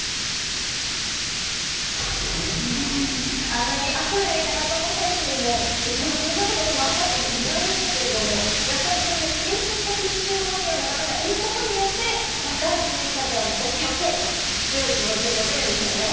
あんなに明るい長友選手にも、後ろ向きになったこともあったって意外でしたけれども、やっぱりそういう精神的支柱となる方がいることによって、若い選手たちはＯＫ、ＯＫと強い気持ちを持てるんでしょうね。